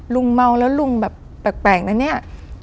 เมาแล้วลุงแบบแปลกนะเนี่ย